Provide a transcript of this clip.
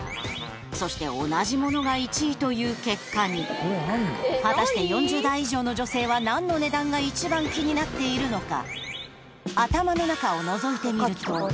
そして同じものが１位という結果に果たして４０代以上の女性は何の値段が一番気になっているのか？